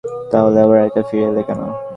তাহলে আবার একা ফিরে এলে কেন?